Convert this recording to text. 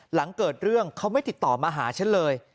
หลังเกิดเรื่องเขาไม่ติดต่อมาหาฉันเลย